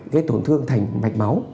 gây tổn thương thành mạch máu